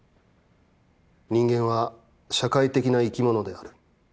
人間は社会的な生き物である。